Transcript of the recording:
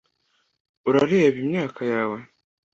urareba imyaka yawe